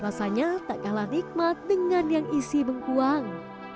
rasanya tak kalah nikmat dengan yang isi bengkuang